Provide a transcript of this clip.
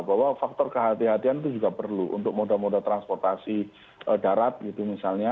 bahwa faktor kehatian kehatian itu juga perlu untuk moda moda transportasi darat gitu misalnya